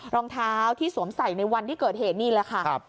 รองเท้าที่สวมใส่ในวันที่เกิดเหตุนี่แหละค่ะ